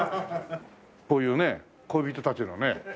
こういうね恋人たちのね。